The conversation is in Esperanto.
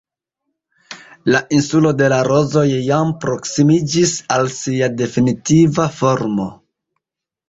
La Insulo de la Rozoj jam proksimiĝis al sia definitiva formo.